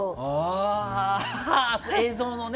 映像のね。